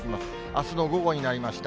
あすの午後になりました。